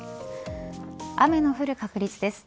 雨の降る確率です。